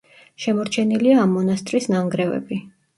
შემორჩენილია ამ მონასტრის ნანგრევები.